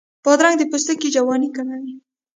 بادرنګ د پوستکي جوانۍ کموي.